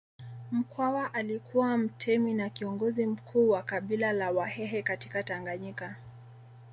Mkwawa alikuwa mtemi na kiongozi mkuu wa kabila la Wahehe katika Tanganyika